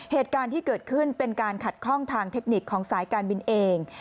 เหตุการณ์ที่เกิดขึ้นเป็นการขัดข้องทางเทคนิคของสายการบินเอง